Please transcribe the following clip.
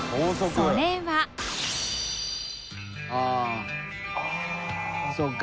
それはあぁそうか。